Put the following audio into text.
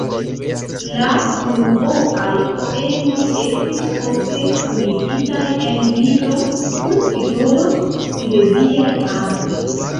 La unuopaj poemoj estis poste kunigitaj en libron kun titolo "Sileziaj kantoj".